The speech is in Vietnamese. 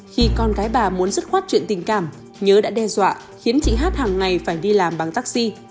khi con gái bà muốn dứt khoát chuyện tình cảm nhớ đã đe dọa khiến chị hát hàng ngày phải đi làm bằng taxi